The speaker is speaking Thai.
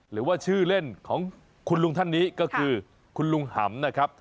หรือว่าชื่อเล่นของคุณลุงท่านนี้ก็คือคุณลุงหำนะครับ